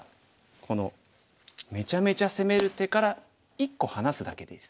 このめちゃめちゃ攻める手から１個離すだけでいいです。